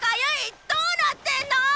どうなってんの？